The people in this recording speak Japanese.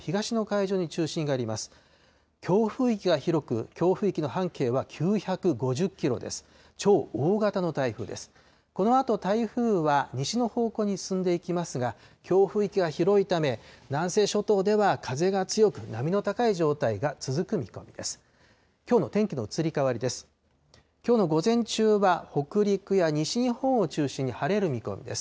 このあと台風は、西の方向に進んでいきますが、強風域が広いため、南西諸島では風が強く、波の高い状態が続く見込みです。